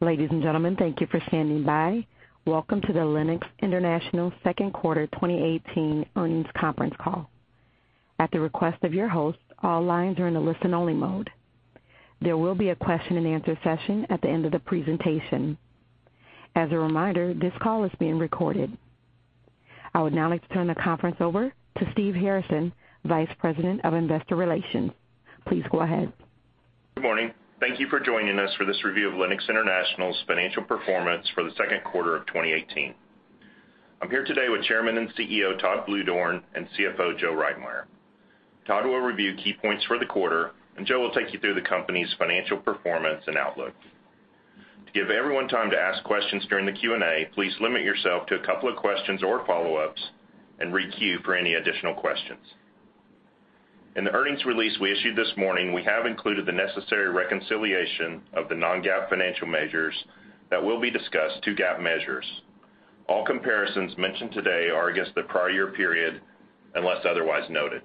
Ladies and gentlemen, thank you for standing by. Welcome to the Lennox International second quarter 2018 earnings conference call. At the request of your host, all lines are in a listen-only mode. There will be a question-and-answer session at the end of the presentation. As a reminder, this call is being recorded. I would now like to turn the conference over to Steve Harrison, Vice President of Investor Relations. Please go ahead. Good morning. Thank you for joining us for this review of Lennox International's financial performance for the second quarter of 2018. I am here today with Chairman and CEO, Todd Bluedorn, and CFO, Joe Reitmeier. Todd will review key points for the quarter. Joe will take you through the company's financial performance and outlook. To give everyone time to ask questions during the Q&A, please limit yourself to a couple of questions or follow-ups and re-queue for any additional questions. In the earnings release we issued this morning, we have included the necessary reconciliation of the non-GAAP financial measures that will be discussed to GAAP measures. All comparisons mentioned today are against the prior year period, unless otherwise noted.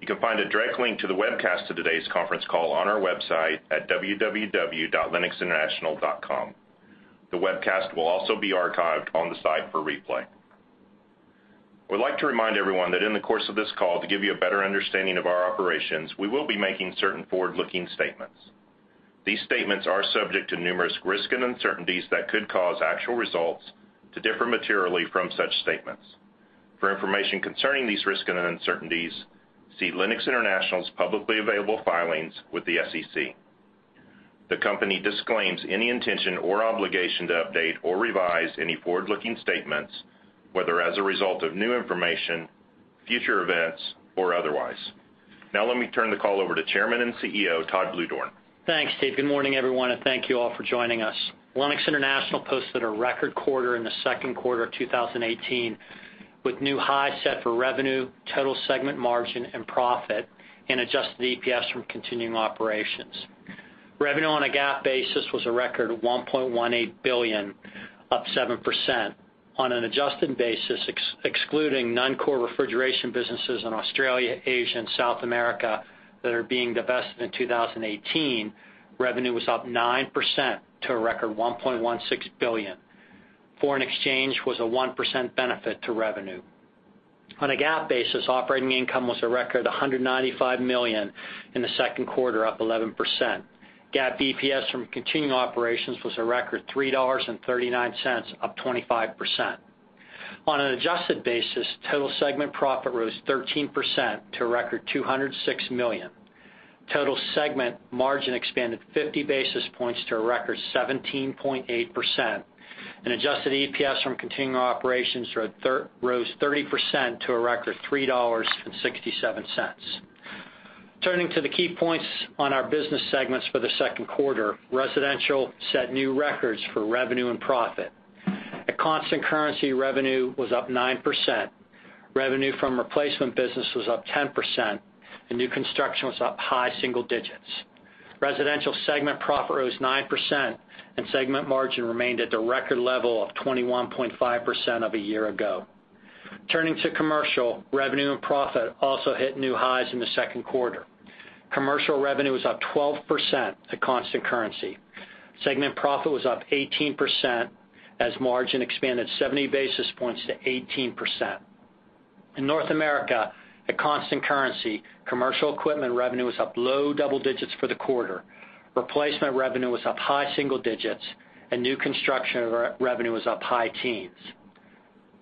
You can find a direct link to the webcast to today's conference call on our website at www.lennoxinternational.com. The webcast will also be archived on the site for replay. I would like to remind everyone that in the course of this call, to give you a better understanding of our operations, we will be making certain forward-looking statements. These statements are subject to numerous risks and uncertainties that could cause actual results to differ materially from such statements. For information concerning these risks and uncertainties, see Lennox International's publicly available filings with the SEC. The company disclaims any intention or obligation to update or revise any forward-looking statements, whether as a result of new information, future events, or otherwise. Now let me turn the call over to Chairman and CEO, Todd Bluedorn. Thanks, Steve. Good morning, everyone. Thank you all for joining us. Lennox International posted a record quarter in the second quarter of 2018, with new highs set for revenue, total segment margin, and profit, and adjusted EPS from continuing operations. Revenue on a GAAP basis was a record $1.18 billion, up 7%. On an adjusted basis, excluding non-core refrigeration businesses in Australia, Asia, and South America that are being divested in 2018, revenue was up 9% to a record $1.16 billion. Foreign exchange was a 1% benefit to revenue. On a GAAP basis, operating income was a record $195 million in the second quarter, up 11%. GAAP EPS from continuing operations was a record $3.39, up 25%. On an adjusted basis, total segment profit rose 13% to a record $206 million. Total segment margin expanded 50 basis points to a record 17.8%, and adjusted EPS from continuing operations rose 30% to a record $3.67. Turning to the key points on our business segments for the second quarter, residential set new records for revenue and profit. At constant currency, revenue was up 9%. Revenue from replacement business was up 10%, and new construction was up high single digits. Residential segment profit rose 9%, and segment margin remained at the record level of 21.5% of a year ago. Turning to commercial, revenue and profit also hit new highs in the second quarter. Commercial revenue was up 12% at constant currency. Segment profit was up 18% as margin expanded 70 basis points to 18%. In North America, at constant currency, commercial equipment revenue was up low double digits for the quarter. Replacement revenue was up high single digits, and new construction revenue was up high teens.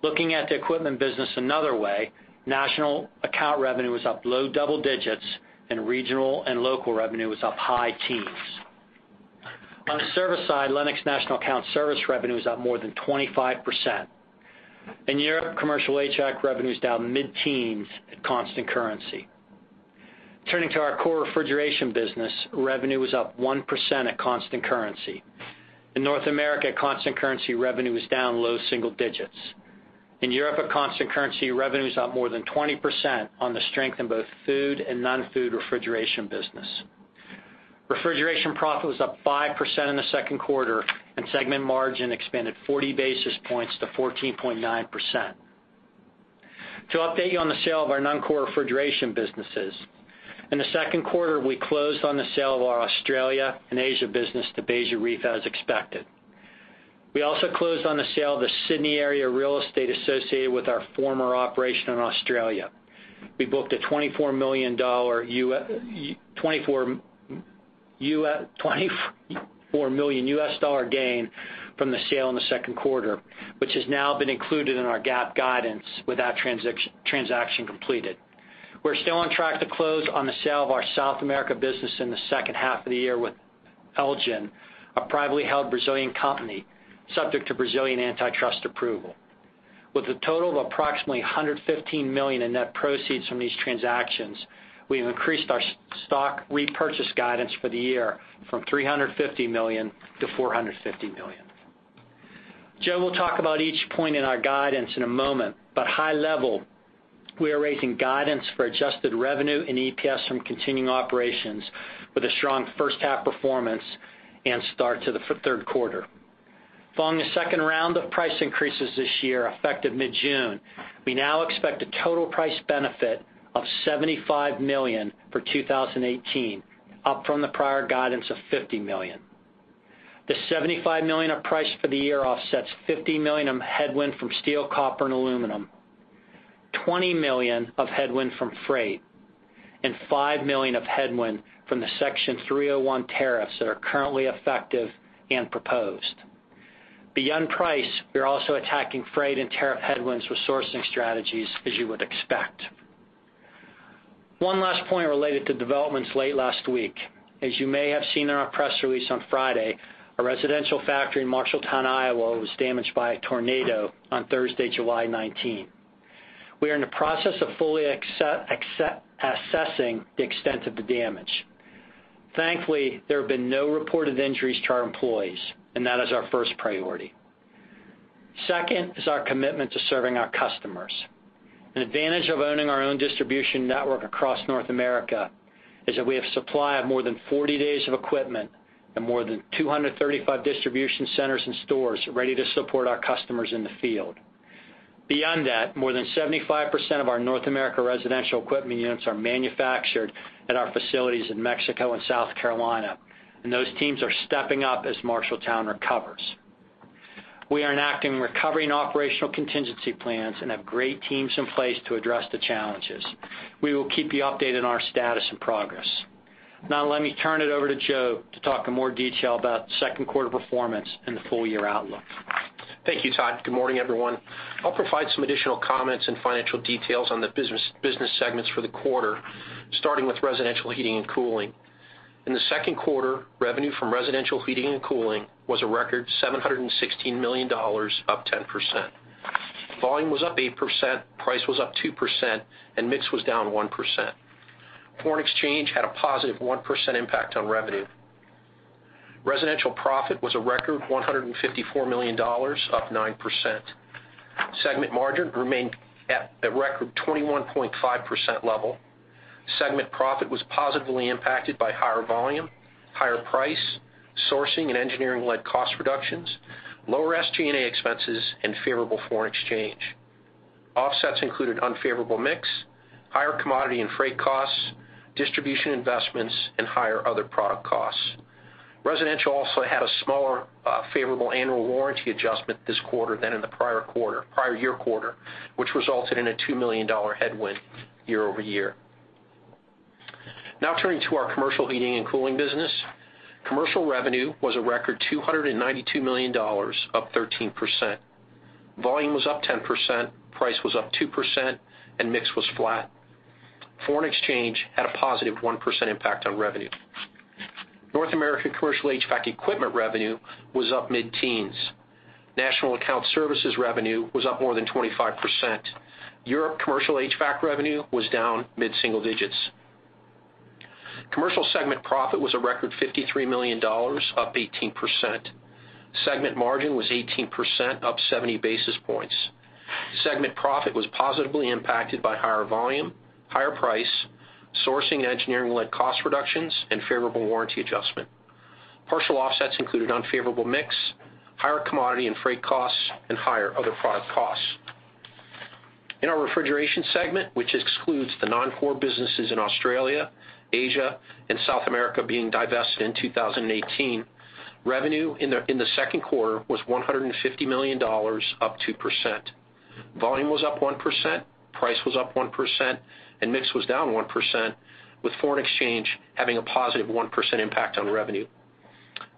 Looking at the equipment business another way, national account revenue was up low double digits, and regional and local revenue was up high teens. On the service side, Lennox national account service revenue was up more than 25%. In Europe, commercial HVAC revenue was down mid-teens at constant currency. Turning to our core refrigeration business, revenue was up 1% at constant currency. In North America, at constant currency, revenue was down low single digits. In Europe, at constant currency, revenue was up more than 20% on the strength in both food and non-food refrigeration business. Refrigeration profit was up 5% in the second quarter, and segment margin expanded 40 basis points to 14.9%. To update you on the sale of our non-core refrigeration businesses, in the second quarter, we closed on the sale of our Australia and Asia business to Beijer Ref, as expected. We also closed on the sale of the Sydney area real estate associated with our former operation in Australia. We booked a $24 million U.S. gain from the sale in the second quarter, which has now been included in our GAAP guidance with that transaction completed. We're still on track to close on the sale of our South America business in the second half of the year with Elgin, a privately held Brazilian company, subject to Brazilian antitrust approval. With a total of approximately $115 million in net proceeds from these transactions, we've increased our stock repurchase guidance for the year from $350 million to $450 million. Joe will talk about each point in our guidance in a moment. High level, we are raising guidance for adjusted revenue and EPS from continuing operations with a strong first half performance and start to the third quarter. Following the second round of price increases this year, effective mid-June, we now expect a total price benefit of $75 million for 2018, up from the prior guidance of $50 million. The $75 million of price for the year offsets $50 million of headwind from steel, copper, and aluminum, $20 million of headwind from freight, and $5 million of headwind from the Section 301 tariffs that are currently effective and proposed. Beyond price, we are also attacking freight and tariff headwinds with sourcing strategies as you would expect. One last point related to developments late last week. As you may have seen in our press release on Friday, a residential factory in Marshalltown, Iowa, was damaged by a tornado on Thursday, July 19. We are in the process of fully assessing the extent of the damage. Thankfully, there have been no reported injuries to our employees, and that is our first priority. Second is our commitment to serving our customers. An advantage of owning our own distribution network across North America is that we have a supply of more than 40 days of equipment and more than 235 distribution centers and stores ready to support our customers in the field. Beyond that, more than 75% of our North America residential equipment units are manufactured at our facilities in Mexico and South Carolina, and those teams are stepping up as Marshalltown recovers. Let me turn it over to Joe to talk in more detail about second quarter performance and the full-year outlook. Thank you, Todd. Good morning, everyone. I'll provide some additional comments and financial details on the business segments for the quarter, starting with residential heating and cooling. In the second quarter, revenue from residential heating and cooling was a record $716 million, up 10%. Volume was up 8%, price was up 2%, and mix was down 1%. Foreign exchange had a positive 1% impact on revenue. Residential profit was a record $154 million, up 9%. Segment margin remained at a record 21.5% level. Segment profit was positively impacted by higher volume, higher price, sourcing and engineering-led cost reductions, lower SG&A expenses, and favorable foreign exchange. Offsets included unfavorable mix, higher commodity and freight costs, distribution investments, and higher other product costs. Residential also had a smaller favorable annual warranty adjustment this quarter than in the prior year quarter, which resulted in a $2 million headwind year-over-year. Turning to our commercial heating and cooling business. Commercial revenue was a record $292 million, up 13%. Volume was up 10%, price was up 2%, and mix was flat. Foreign exchange had a positive 1% impact on revenue. North America commercial HVAC equipment revenue was up mid-teens. National account services revenue was up more than 25%. Europe commercial HVAC revenue was down mid-single digits. Commercial segment profit was a record $53 million, up 18%. Segment margin was 18%, up 70 basis points. Segment profit was positively impacted by higher volume, higher price, sourcing and engineering-led cost reductions, and favorable warranty adjustment. Partial offsets included unfavorable mix, higher commodity and freight costs, and higher other product costs. In our refrigeration segment, which excludes the non-core businesses in Australia, Asia, and South America being divested in 2018, revenue in the second quarter was $150 million, up 2%. Volume was up 1%, price was up 1%, and mix was down 1%, with foreign exchange having a positive 1% impact on revenue.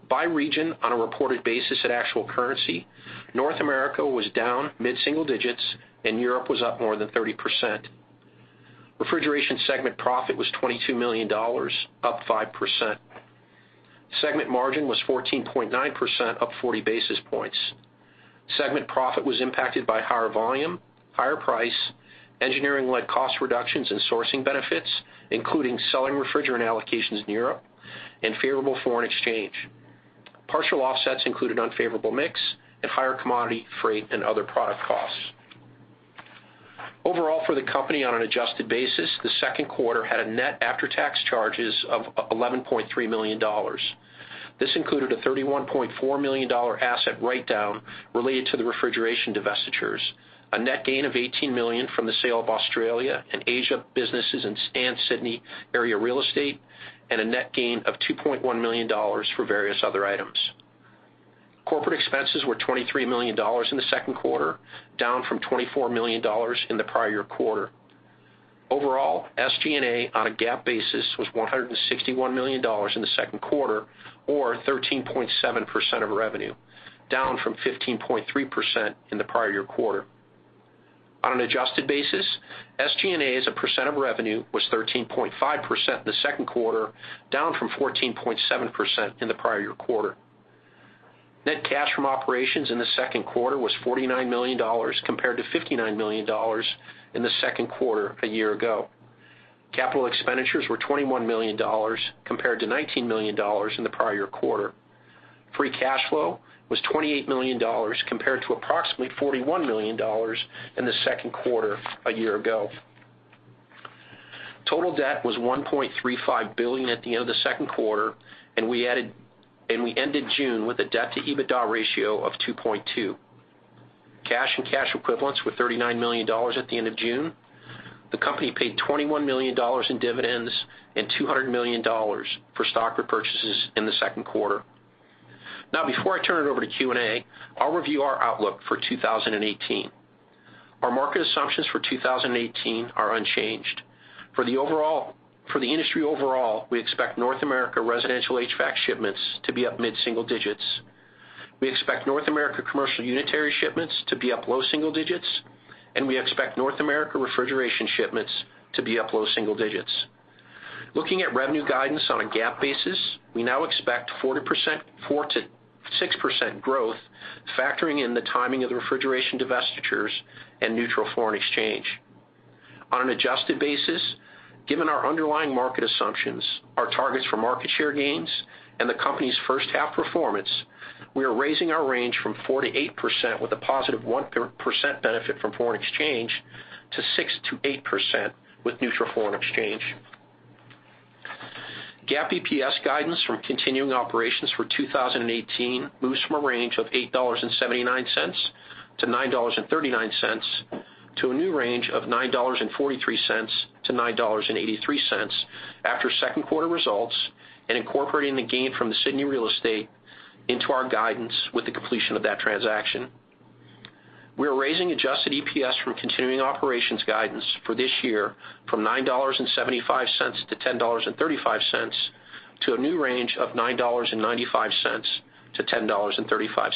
By region, on a reported basis at actual currency, North America was down mid-single digits and Europe was up more than 30%. Refrigeration segment profit was $22 million, up 5%. Segment margin was 14.9%, up 40 basis points. Segment profit was impacted by higher volume, higher price, engineering-led cost reductions and sourcing benefits, including selling refrigerant allocations in Europe and favorable foreign exchange. Partial offsets included unfavorable mix and higher commodity, freight, and other product costs. Overall, for the company on an adjusted basis, the second quarter had a net after-tax charges of $11.3 million. This included a $31.4 million asset write-down related to the refrigeration divestitures, a net gain of $18 million from the sale of Australia and Asia businesses and Sydney area real estate, and a net gain of $2.1 million for various other items. Corporate expenses were $23 million in the second quarter, down from $24 million in the prior year quarter. Overall, SG&A on a GAAP basis was $161 million in the second quarter, or 13.7% of revenue, down from 15.3% in the prior year quarter. On an adjusted basis, SG&A as a percent of revenue was 13.5% in the second quarter, down from 14.7% in the prior year quarter. Net cash from operations in the second quarter was $49 million, compared to $59 million in the second quarter a year ago. Capital expenditures were $21 million, compared to $19 million in the prior year quarter. Free cash flow was $28 million, compared to approximately $41 million in the second quarter a year ago. Total debt was $1.35 billion at the end of the second quarter, and we ended June with a debt-to-EBITDA ratio of 2.2. Cash and cash equivalents were $39 million at the end of June. The company paid $21 million in dividends and $200 million for stock repurchases in the second quarter. Now, before I turn it over to Q&A, I'll review our outlook for 2018. Our market assumptions for 2018 are unchanged. For the industry overall, we expect North America residential HVAC shipments to be up mid-single digits. We expect North America commercial unitary shipments to be up low single digits, and we expect North America refrigeration shipments to be up low single digits. Looking at revenue guidance on a GAAP basis, we now expect 4%-6% growth, factoring in the timing of the refrigeration divestitures and neutral foreign exchange. On an adjusted basis, given our underlying market assumptions, our targets for market share gains, and the company's first half performance, we are raising our range from 4%-8% with a positive 1% benefit from foreign exchange to 6%-8% with neutral foreign exchange. GAAP EPS guidance from continuing operations for 2018 moves from a range of $8.79-$9.39 to a new range of $9.43-$9.83 after second quarter results and incorporating the gain from the Sydney real estate into our guidance with the completion of that transaction. We are raising adjusted EPS from continuing operations guidance for this year from $9.75-$10.35 to a new range of $9.95-$10.35.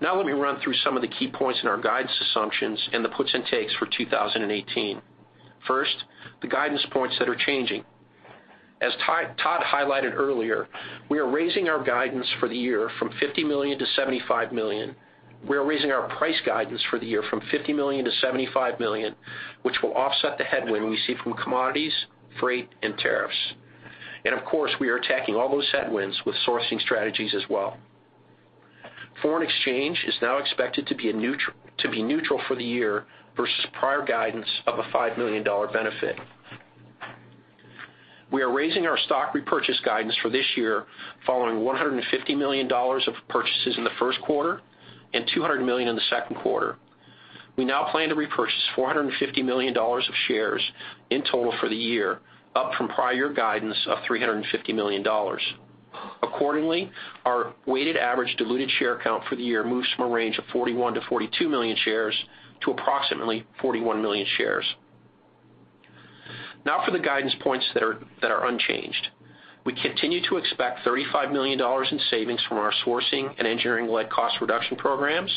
Now let me run through some of the key points in our guidance assumptions and the puts and takes for 2018. First, the guidance points that are changing. As Todd highlighted earlier, we are raising our price guidance for the year from $50 million to $75 million, which will offset the headwind we see from commodities, freight, and tariffs. Of course, we are attacking all those headwinds with sourcing strategies as well. Foreign exchange is now expected to be neutral for the year versus prior guidance of a $5 million benefit. We are raising our stock repurchase guidance for this year following $150 million of purchases in the first quarter and $200 million in the second quarter. We now plan to repurchase $450 million of shares in total for the year, up from prior guidance of $350 million. Accordingly, our weighted average diluted share count for the year moves from a range of 41-42 million shares to approximately 41 million shares. Now for the guidance points that are unchanged. We continue to expect $35 million in savings from our sourcing and engineering-led cost reduction programs.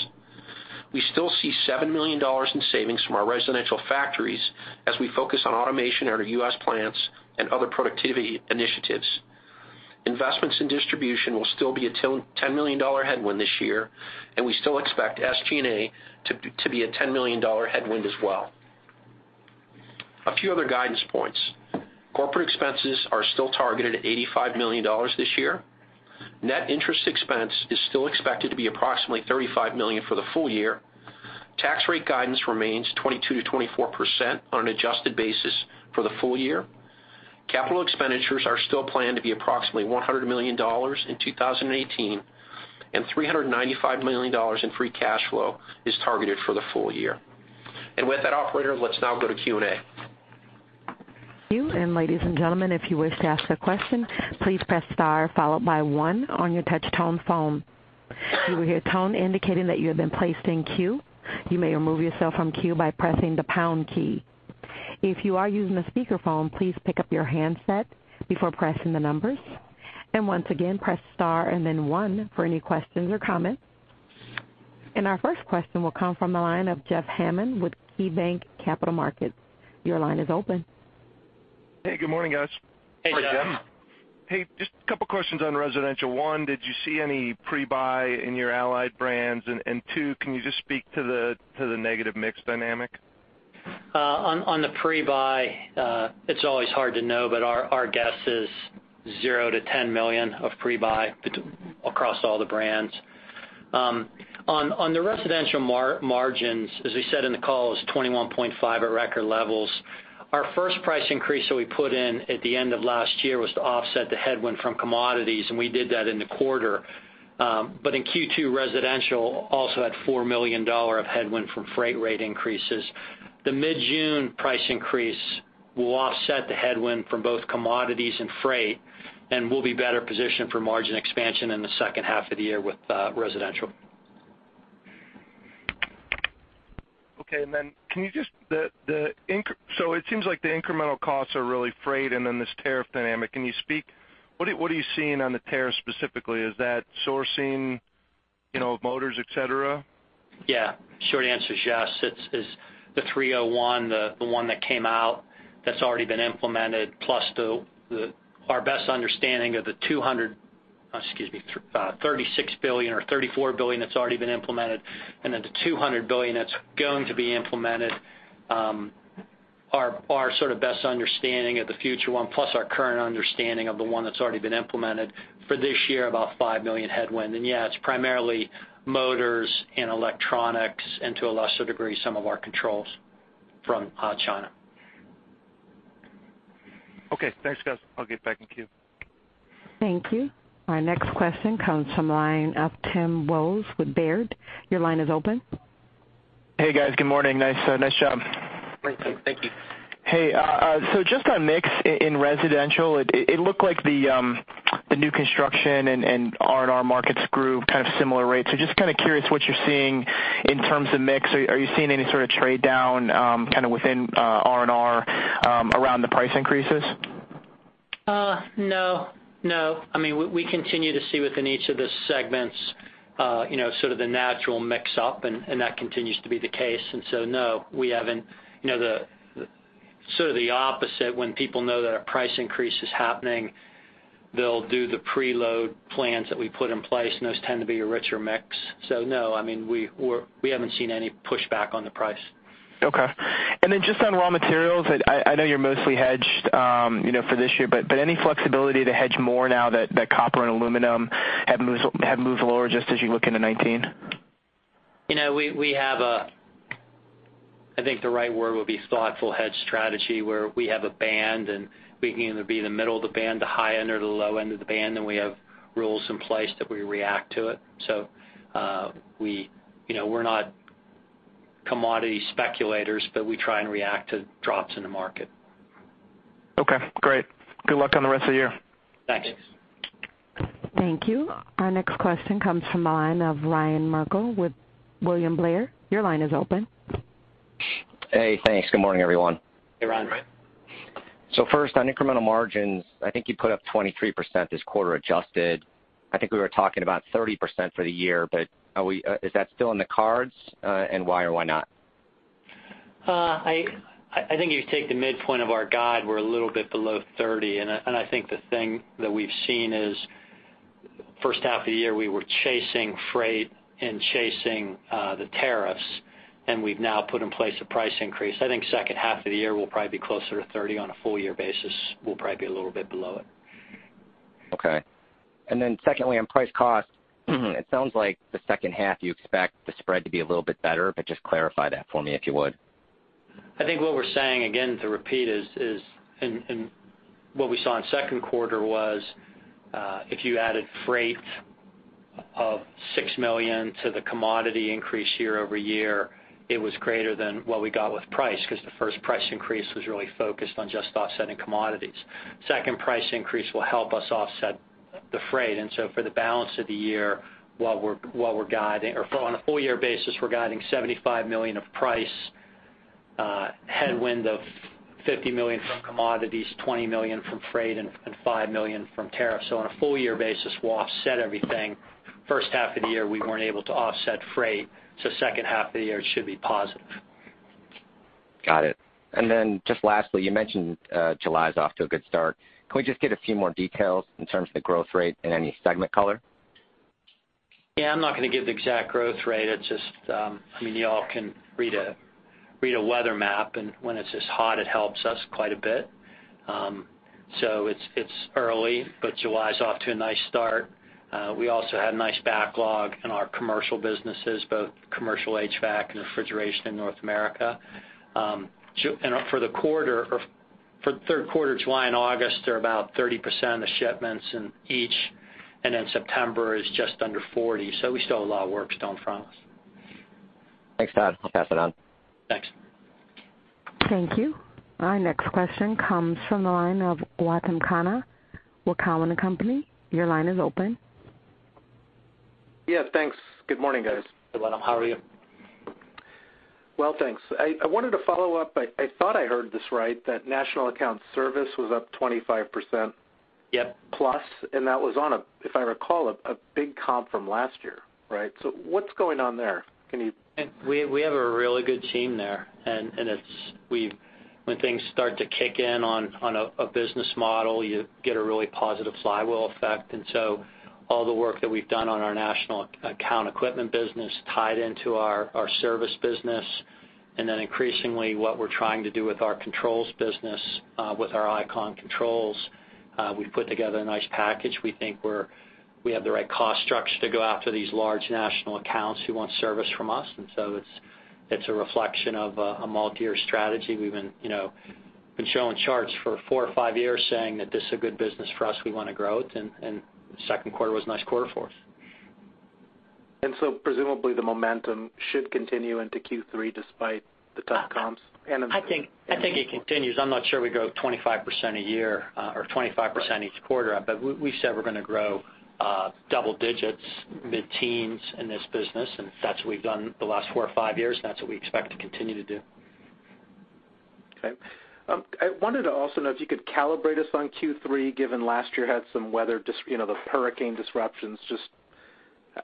We still see $7 million in savings from our residential factories as we focus on automation at our U.S. plants and other productivity initiatives. Investments in distribution will still be a $10 million headwind this year, and we still expect SG&A to be a $10 million headwind as well. A few other guidance points. Corporate expenses are still targeted at $85 million this year. Net interest expense is still expected to be approximately $35 million for the full year. Tax rate guidance remains 22%-24% on an adjusted basis for the full year. Capital expenditures are still planned to be approximately $100 million in 2018, and $395 million in free cash flow is targeted for the full year. With that operator, let's now go to Q&A. You, and ladies and gentlemen, if you wish to ask a question, please press star followed by one on your touch-tone phone. You will hear a tone indicating that you have been placed in queue. You may remove yourself from queue by pressing the pound key. If you are using a speakerphone, please pick up your handset before pressing the numbers. Once again, press star and then one for any questions or comments. Our first question will come from the line of Jeffrey Hammond with KeyBanc Capital Markets. Your line is open. Hey, good morning, guys. Hey, Jeff. Hey, just a couple of questions on residential. One, did you see any pre-buy in your Allied brands? Two, can you just speak to the negative mix dynamic? On the pre-buy, it's always hard to know, but our guess is zero to $10 million of pre-buy across all the brands. On the residential margins, as we said in the call, it's 21.5% at record levels. Our first price increase that we put in at the end of last year was to offset the headwind from commodities, and we did that in the quarter. In Q2, residential also had $4 million of headwind from freight rate increases. The mid-June price increase will offset the headwind from both commodities and freight and we'll be better positioned for margin expansion in the second half of the year with residential. Okay. It seems like the incremental costs are really freight and then this tariff dynamic. What are you seeing on the tariff specifically? Is that sourcing motors, et cetera? Yeah. Short answer is yes. It's the 301, the one that came out that's already been implemented, plus our best understanding of the $36 billion or $34 billion that's already been implemented, and then the $200 billion that's going to be implemented. Our sort of best understanding of the future one, plus our current understanding of the one that's already been implemented for this year, about $5 million headwind. Yeah, it's primarily motors and electronics, and to a lesser degree, some of our controls from China. Okay, thanks guys. I'll get back in queue. Thank you. Our next question comes from line of Tim Wojs with Baird. Your line is open. Hey, guys. Good morning. Nice job. Thank you. Thank you. Hey, just on mix in residential, it looked like the new construction and R&R markets grew kind of similar rates. Just kind of curious what you're seeing in terms of mix. Are you seeing any sort of trade down kind of within R&R around the price increases? No. We continue to see within each of the segments, sort of the natural mix-up, and that continues to be the case. No, we haven't. Sort of the opposite, when people know that a price increase is happening, they'll do the preload plans that we put in place, and those tend to be a richer mix. No, we haven't seen any pushback on the price. Okay. Just on raw materials, I know you're mostly hedged for this year, but any flexibility to hedge more now that copper and aluminum have moved lower just as you look into 2019? We have a, I think the right word would be thoughtful hedge strategy, where we have a band, and we can either be in the middle of the band, the high end, or the low end of the band, and we have rules in place that we react to it. We're not commodity speculators, but we try and react to drops in the market. Okay, great. Good luck on the rest of the year. Thanks. Thank you. Our next question comes from the line of Ryan Merkel with William Blair. Your line is open. Hey, thanks. Good morning, everyone. Hey, Ryan. Hey, Ryan. First, on incremental margins, I think you put up 23% this quarter adjusted. I think we were talking about 30% for the year, is that still in the cards? Why or why not? I think if you take the midpoint of our guide, we're a little bit below 30%, the thing that we've seen is first half of the year, we were chasing freight and chasing the tariffs, we've now put in place a price increase. I think second half of the year, we'll probably be closer to 30%. On a full year basis, we'll probably be a little bit below it. Okay. Secondly, on price cost, it sounds like the second half, you expect the spread to be a little bit better, just clarify that for me, if you would. I think what we're saying, again, to repeat is, what we saw in second quarter was, if you added freight of $6 million to the commodity increase year-over-year, it was greater than what we got with price, because the first price increase was really focused on just offsetting commodities. Second price increase will help us offset the freight. For the balance of the year, what we're guiding, or on a full year basis, we're guiding $75 million of price, headwind of $50 million from commodities, $20 million from freight, and $5 million from tariffs. On a full year basis, we'll offset everything. First half of the year, we weren't able to offset freight, second half of the year, it should be positive. Got it. Just lastly, you mentioned July is off to a good start. Can we just get a few more details in terms of the growth rate and any segment color? Yeah, I'm not going to give the exact growth rate. You all can read a weather map, when it's this hot, it helps us quite a bit. It's early, but July's off to a nice start. We also had nice backlog in our commercial businesses, both commercial HVAC and refrigeration in North America. For the quarter, or for the third quarter, July and August are about 30% of the shipments in each, September is just under 40%. We still have a lot of work still in front of us. Thanks, Todd. I'll pass it on. Thanks. Thank you. Our next question comes from the line of Gautam Khanna with Cowen and Company. Your line is open. Yeah, thanks. Good morning, guys. Good morning. How are you? Well, thanks. I wanted to follow up. I thought I heard this right, that National Account Service was up 25%. Yep plus, that was on, if I recall, a big comp from last year, right? What's going on there? Can you? We have a really good team there, when things start to kick in on a business model, you get a really positive flywheel effect. All the work that we've done on our National Account equipment business tied into our service business. Increasingly, what we're trying to do with our controls business, with our iComfort controls, we put together a nice package. We think we have the right cost structure to go after these large national accounts who want service from us. It's a reflection of a multi-year strategy. We've been showing charts for four or five years saying that this is a good business for us, we want to grow it, and second quarter was a nice quarter for us. Presumably the momentum should continue into Q3 despite the tough comps and- I think it continues. I'm not sure we grow 25% a year, or 25% each quarter, but we said we're going to grow double digits, mid-teens in this business, and that's what we've done the last four or five years, and that's what we expect to continue to do. Okay. I wanted to also know if you could calibrate us on Q3, given last year had some weather, the hurricane disruptions. Just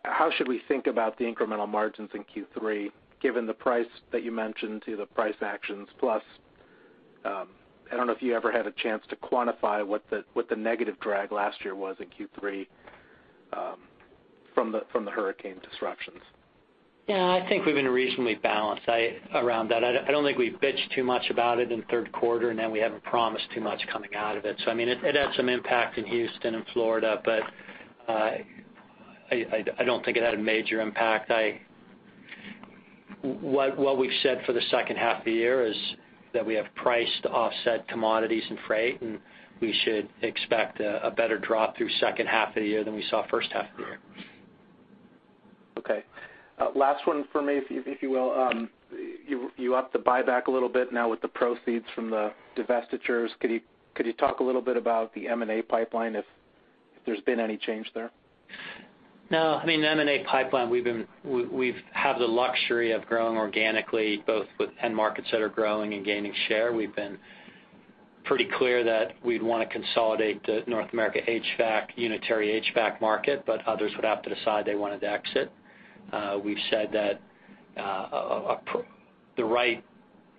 how should we think about the incremental margins in Q3, given the price that you mentioned to the price actions, plus, I don't know if you ever had a chance to quantify what the negative drag last year was in Q3 from the hurricane disruptions. Yeah, I think we've been reasonably balanced around that. I don't think we bitched too much about it in the third quarter. We haven't promised too much coming out of it. It had some impact in Houston and Florida, but I don't think it had a major impact. What we've said for the second half of the year is that we have priced offset commodities and freight, and we should expect a better drop through second half of the year than we saw first half of the year. Okay. Last one for me, if you will. You upped the buyback a little bit now with the proceeds from the divestitures. Could you talk a little bit about the M&A pipeline, if there's been any change there? No. M&A pipeline, we've had the luxury of growing organically, both with end markets that are growing and gaining share. We've been pretty clear that we'd want to consolidate the North America unitary HVAC market. Others would have to decide they wanted to exit. We've said that the right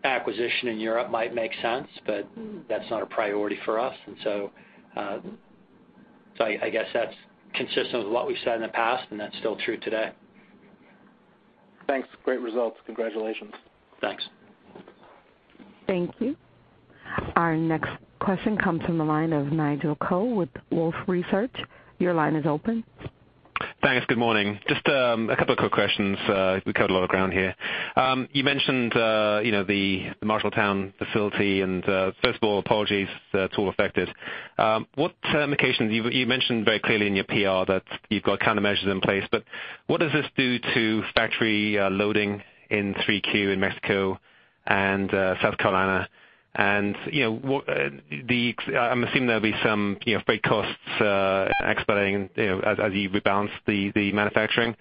acquisition in Europe might make sense. That's not a priority for us. I guess that's consistent with what we've said in the past, and that's still true today. Thanks. Great results. Congratulations. Thanks. Thank you. Our next question comes from the line of Nigel Coe with Wolfe Research. Your line is open. Thanks. Good morning. Just a couple of quick questions. We covered a lot of ground here. You mentioned the Marshalltown facility. First of all, apologies to all affected. You mentioned very clearly in your PR that you've got countermeasures in place, what does this do to factory loading in Q3 in Mexico and South Carolina? I'm assuming there'll be some freight costs expensing as you rebalance the manufacturing.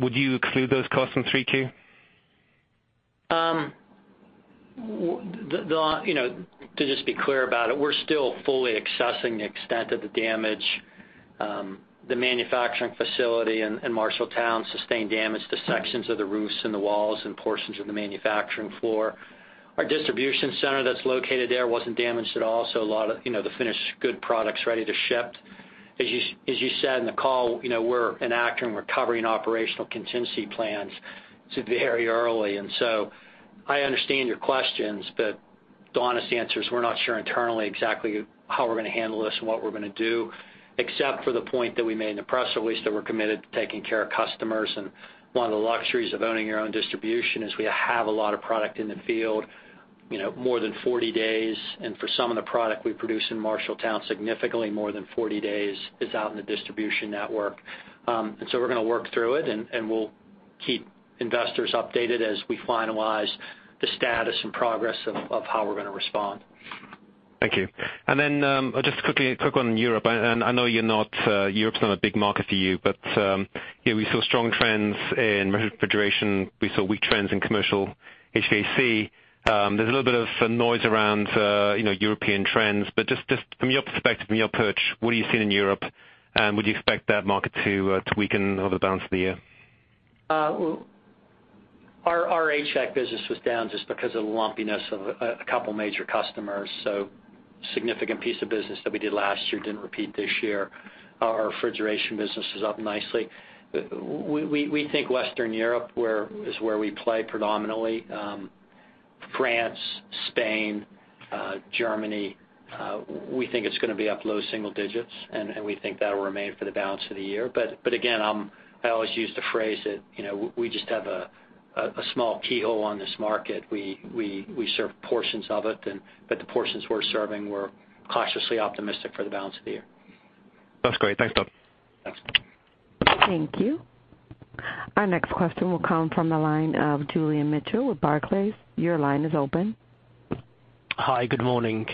Would you exclude those costs from Q3? To just be clear about it, we're still fully assessing the extent of the damage. The manufacturing facility in Marshalltown sustained damage to sections of the roofs and the walls and portions of the manufacturing floor. Our distribution center that's located there wasn't damaged at all, so a lot of the finished good products ready to ship. As you said in the call, we're enacting recovery and operational contingency plans. It's very early, I understand your questions, the honest answer is we're not sure internally exactly how we're going to handle this and what we're going to do, except for the point that we made in the press release, that we're committed to taking care of customers. One of the luxuries of owning your own distribution is we have a lot of product in the field. More than 40 days, for some of the product we produce in Marshalltown, significantly more than 40 days is out in the distribution network. We're going to work through it, we'll keep investors updated as we finalize the status and progress of how we're going to respond. Thank you. Then, just a quick one on Europe. I know Europe's not a big market for you, we saw strong trends in refrigeration. We saw weak trends in commercial HVAC. There's a little bit of noise around European trends. Just from your perspective, from your perch, what are you seeing in Europe, and would you expect that market to weaken over the balance of the year? Our HVAC business was down just because of the lumpiness of a couple major customers. A significant piece of business that we did last year didn't repeat this year. Our refrigeration business is up nicely. We think Western Europe is where we play predominantly. France, Spain, Germany, we think it's going to be up low single digits, and we think that'll remain for the balance of the year. Again, I always use the phrase that we just have a small keyhole on this market. We serve portions of it, the portions we're serving, we're cautiously optimistic for the balance of the year. That's great. Thanks, Todd. Thanks. Thank you. Our next question will come from the line of Julian Mitchell with Barclays. Your line is open. Hi. Good morning.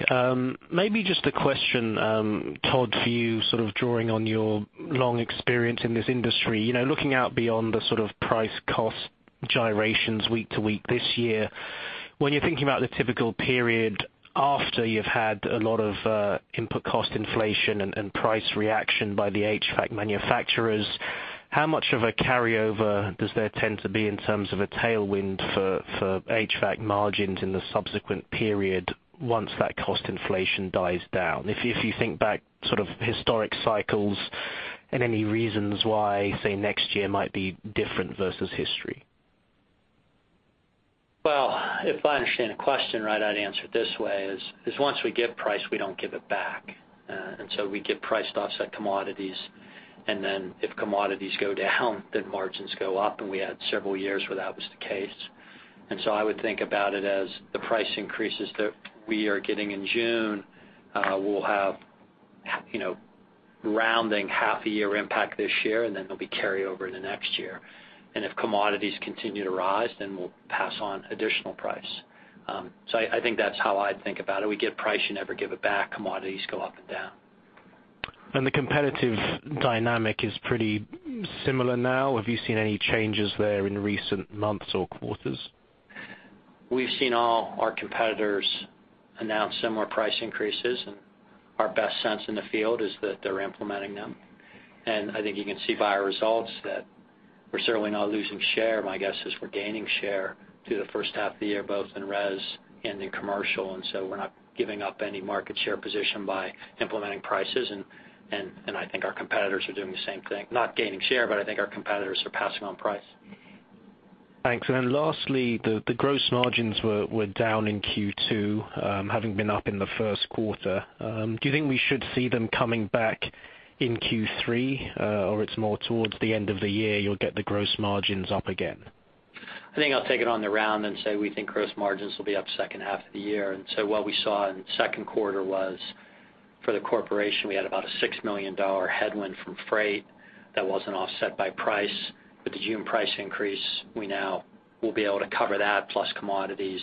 Maybe just a question, Todd, for you, sort of drawing on your long experience in this industry. Looking out beyond the sort of price cost gyrations week to week this year, when you're thinking about the typical period after you've had a lot of input cost inflation and price reaction by the HVAC manufacturers, how much of a carryover does there tend to be in terms of a tailwind for HVAC margins in the subsequent period once that cost inflation dies down? If you think back sort of historic cycles and any reasons why, say, next year might be different versus history. Well, if I understand the question right, I'd answer it this way, is once we give price, we don't give it back. We give priced offset commodities, then if commodities go down, then margins go up, and we had several years where that was the case. I would think about it as the price increases that we are getting in June will have rounding half a year impact this year, then there'll be carryover into next year. If commodities continue to rise, then we'll pass on additional price. I think that's how I'd think about it. We give price, you never give it back. Commodities go up and down. The competitive dynamic is pretty similar now? Have you seen any changes there in recent months or quarters? We've seen all our competitors announce similar price increases, and our best sense in the field is that they're implementing them. I think you can see by our results that we're certainly not losing share. My guess is we're gaining share through the first half of the year, both in res and in commercial, we're not giving up any market share position by implementing prices, and I think our competitors are doing the same thing. Not gaining share, but I think our competitors are passing on price. Thanks. Lastly, the gross margins were down in Q2, having been up in the first quarter. Do you think we should see them coming back in Q3? Or it's more towards the end of the year you'll get the gross margins up again? I think I'll take it on the round and say we think gross margins will be up second half of the year. What we saw in the second quarter was, for the corporation, we had about a $6 million headwind from freight that wasn't offset by price. With the June price increase, we now will be able to cover that plus commodities.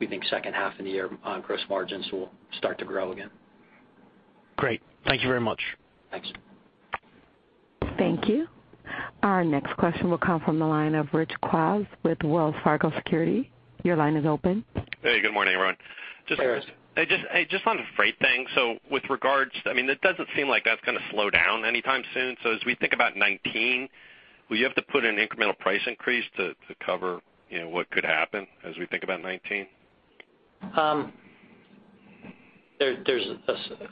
We think second half of the year on gross margins will start to grow again. Great. Thank you very much. Thanks. Thank you. Our next question will come from the line of Rich Kwas with Wells Fargo Securities. Your line is open. Hey, good morning, everyone. Hi, Rich. Hey, just on the freight thing. With regards, it doesn't seem like that's going to slow down anytime soon. As we think about 2019, will you have to put an incremental price increase to cover what could happen as we think about 2019? There's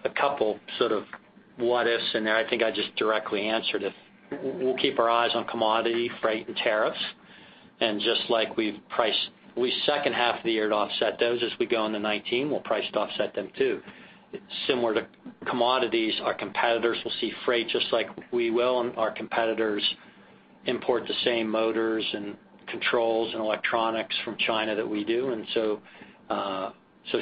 a couple sort of what-ifs in there. I think I just directly answered it. We'll keep our eyes on commodity, freight, and tariffs. Just like we've priced we second half of the year to offset those as we go into 2019, we'll price to offset them, too. Similar to commodities, our competitors will see freight just like we will, and our competitors import the same motors and controls and electronics from China that we do.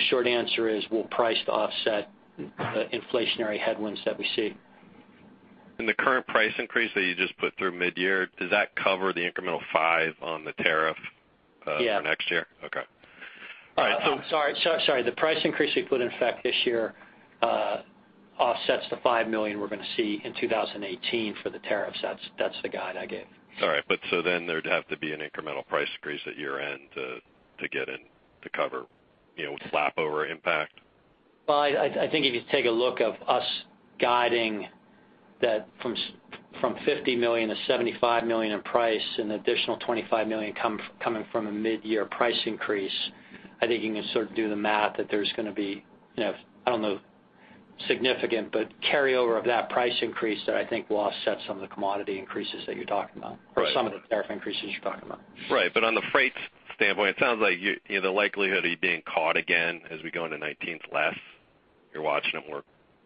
Short answer is we'll price to offset the inflationary headwinds that we see. The current price increase that you just put through mid-year, does that cover the incremental five on the tariff- Yeah for next year? Okay. All right. Sorry. The price increase we put in effect this year offsets the $5 million we're going to see in 2018 for the tariffs. That's the guide I gave. Sorry. There'd have to be an incremental price increase at year-end to cover slap over impact? I think if you take a look of us guiding that from $50 million to $75 million in price, an additional $25 million coming from a mid-year price increase, I think you can sort of do the math that there's going to be, I don't know, significant, but carryover of that price increase that I think will offset some of the commodity increases that you're talking about. Right. Some of the tariff increases you're talking about. Right. On the freight standpoint, it sounds like the likelihood of you being caught again as we go into 2019 is less. You're watching it more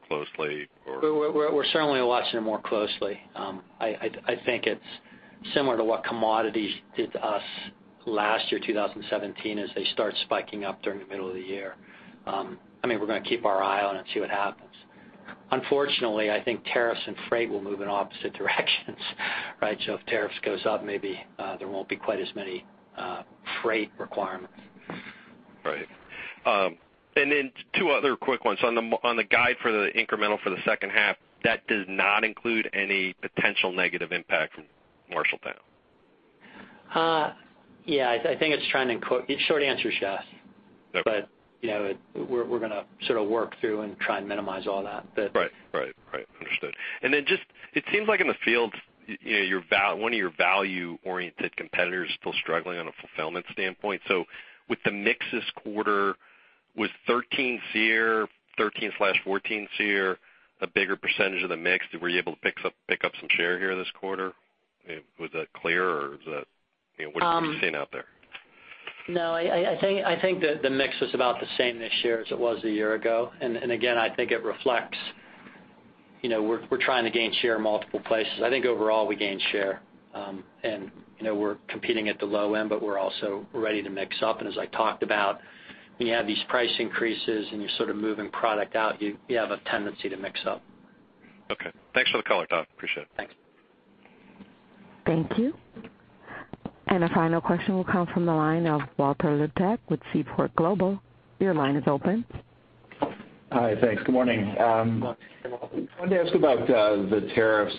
closely, or? We're certainly watching it more closely. I think it's similar to what commodities did to us last year, 2017, as they start spiking up during the middle of the year. We're going to keep our eye on it and see what happens. Unfortunately, I think tariffs and freight will move in opposite directions. If tariffs goes up, maybe there won't be quite as many freight requirements. Right. Then two other quick ones. On the guide for the incremental for the second half, that does not include any potential negative impact from Marshalltown? Yeah. Short answer is yes. Okay. We're going to sort of work through and try and minimize all that. Right. Understood. Then just, it seems like in the field, one of your value-oriented competitors is still struggling on a fulfillment standpoint. With the mix this quarter, was 13 SEER, 13/14 SEER a bigger % of the mix? Were you able to pick up some share here this quarter? Was that clear, or what are you seeing out there? No, I think that the mix was about the same this year as it was a year ago. Again, I think it reflects we're trying to gain share in multiple places. I think overall, we gained share. We're competing at the low end, but we're also ready to mix up. As I talked about, when you have these price increases and you're sort of moving product out, you have a tendency to mix up. Okay. Thanks for the color, Todd. Appreciate it. Thanks. Thank you. A final question will come from the line of Walter Liptak with Seaport Global. Your line is open. Hi, thanks. Good morning. Good morning. I wanted to ask about the tariffs,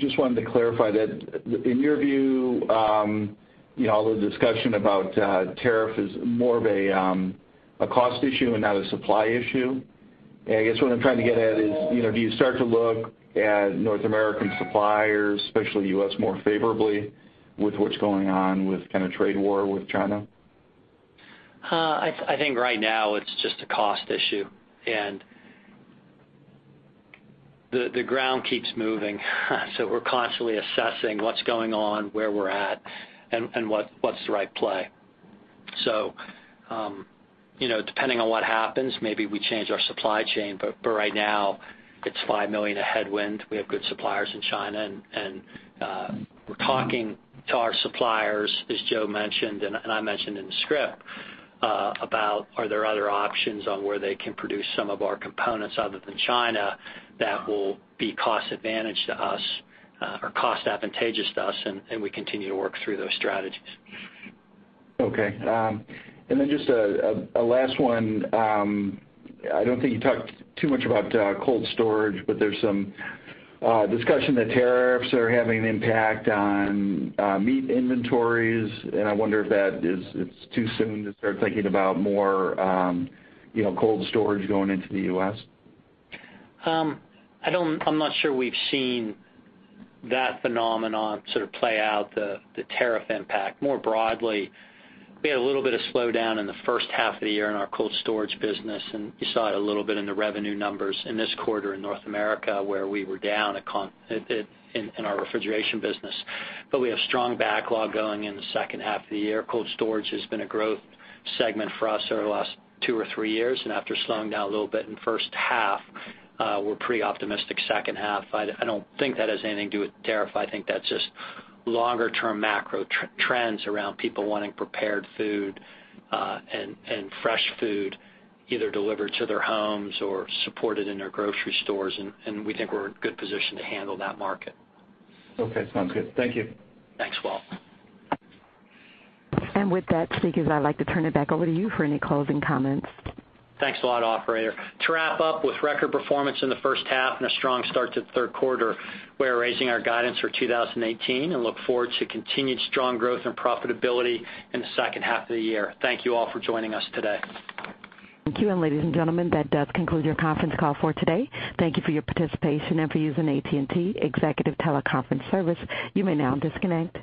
just wanted to clarify that, in your view, all the discussion about tariff is more of a cost issue and not a supply issue? I guess what I'm trying to get at is, do you start to look at North American suppliers, especially U.S., more favorably with what's going on with kind of trade war with China? I think right now it's just a cost issue, The ground keeps moving. We're constantly assessing what's going on, where we're at, and what's the right play. Depending on what happens, maybe we change our supply chain, but for right now, it's $5 million of headwind. We have good suppliers in China, We're talking to our suppliers, as Joe mentioned, I mentioned in the script, about are there other options on where they can produce some of our components other than China that will be cost advantageous to us, We continue to work through those strategies. Okay. Just a last one. I don't think you talked too much about cold storage, There's some discussion that tariffs are having an impact on meat inventories, I wonder if it's too soon to start thinking about more cold storage going into the U.S. I'm not sure we've seen that phenomenon sort of play out, the tariff impact. More broadly, we had a little bit of slowdown in the first half of the year in our cold storage business, and you saw it a little bit in the revenue numbers in this quarter in North America, where we were down in our refrigeration business. We have strong backlog going in the second half of the year. Cold storage has been a growth segment for us over the last two or three years, and after slowing down a little bit in first half, we're pretty optimistic second half. I don't think that has anything to do with tariff. I think that's just longer term macro trends around people wanting prepared food and fresh food either delivered to their homes or supported in their grocery stores, and we think we're in a good position to handle that market. Okay. Sounds good. Thank you. Thanks, Walt. With that, speakers, I'd like to turn it back over to you for any closing comments. Thanks a lot, operator. To wrap up with record performance in the first half and a strong start to the third quarter, we're raising our guidance for 2018 and look forward to continued strong growth and profitability in the second half of the year. Thank you all for joining us today. Thank you. Ladies and gentlemen, that does conclude your conference call for today. Thank you for your participation and for using AT&T Executive Teleconference Service. You may now disconnect.